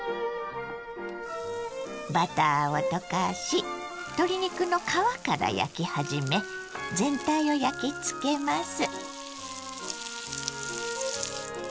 バターを溶かし鶏肉の皮から焼き始め全体を焼きつけます。